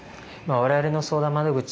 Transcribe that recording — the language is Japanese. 我々の相談窓口